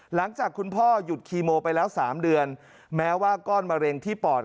หลังจากคุณพ่อหยุดคีโมไปแล้ว๓เดือนแม้ว่าก้อนมะเร็งที่ปอด